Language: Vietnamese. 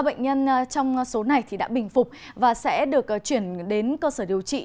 bệnh nhân trong số này đã bình phục và sẽ được chuyển đến cơ sở điều trị